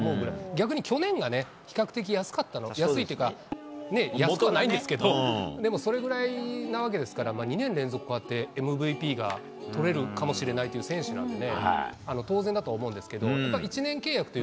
逆に去年がね、比較的安かった、安いというか、ねぇ、安くはないんですけど、でも、それぐらいなわけですから、２年連続こうやってＭＶＰが取れるかもしれないっていう選手なのでね、当然だとは思うんですけど、やっぱ１年契約って。